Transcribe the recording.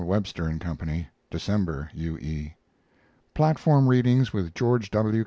Webster & Co.), December. U. E. Platform readings with George W.